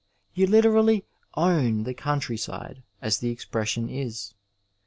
You literally "own" the country side, as the expression is.